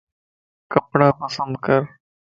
ڪپڙا پسند ڪر